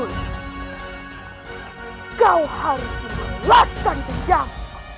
sekarang yang terpenting